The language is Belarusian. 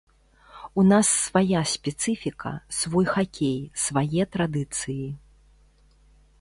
У нас свая спецыфіка, свой хакей, свае традыцыі.